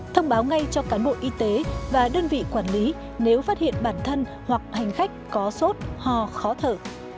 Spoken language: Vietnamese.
thông báo ngay cho cán bộ y tế và đơn vị quản lý nếu phát hiện bản thân hoặc hành khách có sốt ho khó thở